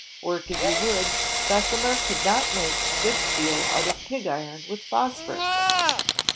Work as he would, Bes semer could not make good steel out of pig iron with phosphorus in it.